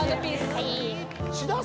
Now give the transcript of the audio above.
はい。